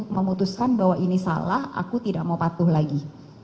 memutuskan bahwa ini salah aku tidak mau patuh lagi